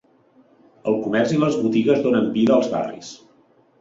El comerç i les botigues donen vida als barris.